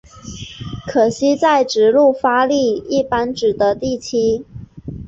可惜在直路发力一般只得第七。